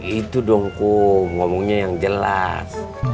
itu dong kum ngomongnya yang jelas